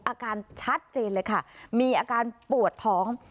อาการชัดเจนเลยค่ะมีอาการปวดท้อง